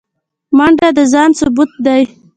منډه د ځان ثبوت دی